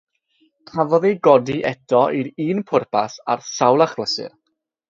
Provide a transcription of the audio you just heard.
Cafodd ei godi eto i'r un pwrpas ar sawl achlysur.